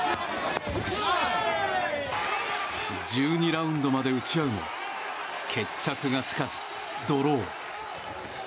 １２ラウンドまで打ち合うも決着がつかずドロー。